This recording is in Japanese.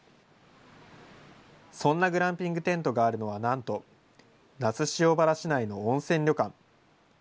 そんなグランピングテントがあるのは、なんと、那須塩原市内の温泉旅館。